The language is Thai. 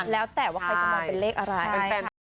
แล้วแต่ว่าใครจะมองเป็นเลขอะไร